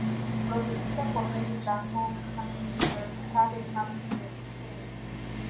Producida por Benny Blanco, Cashmere Cat y Happy Perez.